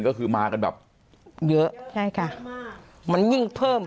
ก็คือมากันแบบเยอะใช่ค่ะมันยิ่งเพิ่ม